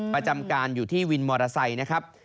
ประจำการอยู่ที่วินมอเตอร์ไซค์นะครับ